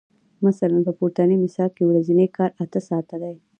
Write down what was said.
مثلاً په پورتني مثال کې ورځنی کار اته ساعته دی